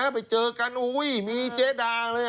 ไปเจอกันอุ้ยมีเจ๊ดาเลย